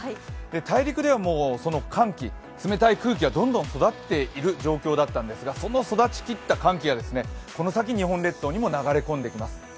大陸ではもうその寒気がどんどん育っている状況だったんですが、その育ちきった寒気がこの先日本列島にも流れ込んできます。